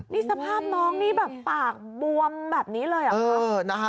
นี่สภาพน้องนี่แบบปากบวมแบบนี้เลยเหรอคะ